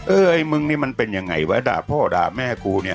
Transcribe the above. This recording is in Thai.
ไอ้มึงนี่มันเป็นยังไงวะด่าพ่อด่าแม่กูเนี่ย